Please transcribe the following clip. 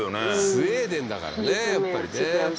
スウェーデンだからねやっぱりね。